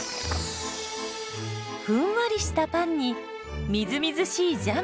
ふんわりしたパンにみずみずしいジャム。